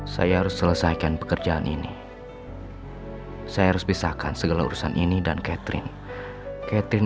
saya harus selesaikan pekerjaan ini saya harus pisahkan segala urusan ini dan catherine catherine